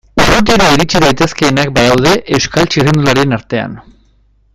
Urrutira iritsi daitezkeenak badaude Euskal txirrindularien artean.